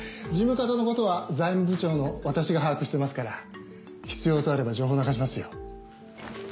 事務方のことは財務部長の私が把握してますから必要とあれば情報を流しますよ。